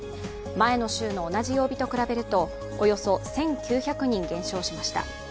前の週の同じ曜日と比べるとおよそ１９００人減少しました。